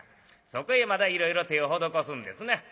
そこへまたいろいろ手を施すんですな。